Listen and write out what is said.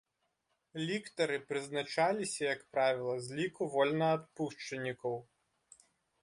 Ліктары прызначаліся, як правіла, з ліку вольнаадпушчанікаў.